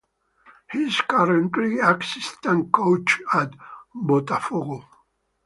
He is currently assistant coach at Botafogo.